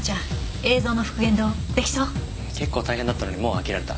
結構大変だったのにもう飽きられた？